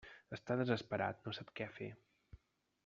Està desesperat, no sap què fer.